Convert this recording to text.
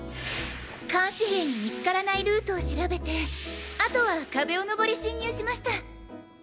監視兵に見つからないルートを調べてあとは壁を登り侵入しました！